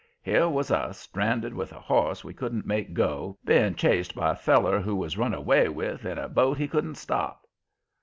Here was us, stranded with a horse we couldn't make go, being chased by a feller who was run away with in a boat he couldn't stop!